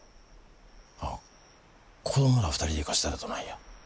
あっ子供ら２人で行かせたらどないや。